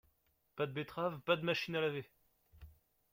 Pas de betterave, pas de machine à laver.